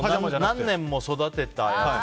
何年も育てたやつ。